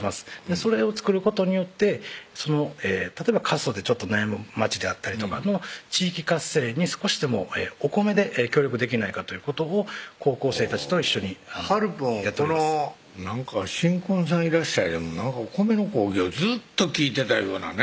それを作ることによって例えば過疎で悩む町であったりとかの地域活性に少しでもお米で協力できないかということを高校生たちと一緒にはるぽんなんか新婚さんいらっしゃい！で米の講義をずっと聞いてたいようなね